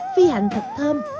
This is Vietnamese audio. phi hành thật thơm